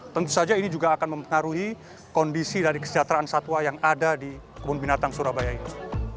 tentu saja ini juga akan mempengaruhi kondisi dari kesejahteraan satwa yang ada di kebun binatang surabaya ini